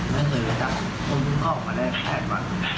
ไม่เคยรู้จักพวกพี่พ่อผมก็ได้แทงมัน